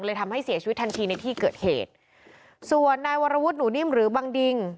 ทำให้เสียชีวิตทันทีในที่เกิดเหตุส่วนนายวรวุฒิหนูนิ่มหรือบังดิง